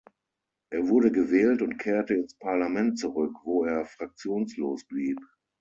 Er wurde gewählt und kehrte ins Parlament zurück, wo er fraktionslos blieb.